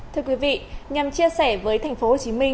thưa quý vị nhằm chia sẻ với tp hcm